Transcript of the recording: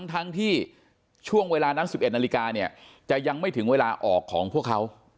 ทั้งที่ช่วงเวลานั้น๑๑นาฬิกาเนี่ยจะยังไม่ถึงเวลาออกของพวกเขา